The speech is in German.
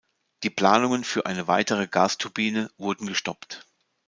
Die Planungen für eine weitere Gasturbine wurden gestoppt.